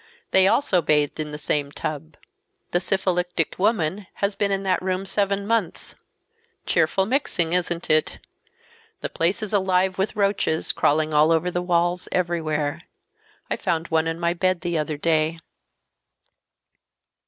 They also bathed in the same tub. The syphilitic woman has been in that room seven months. Cheerful mixing, isn't it? The place is alive with roaches, crawling all over the walls, everywhere. I found one in my bed the other day